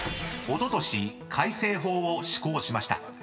［おととし改正法を施行しました］